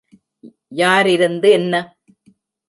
யார் இருந்து என்ன?